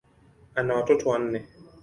Ana watoto wanne.